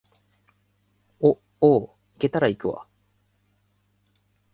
お、おう、行けたら行くわ